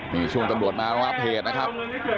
นี่ช่วงตำรวจมารองรับเหตุนะครับ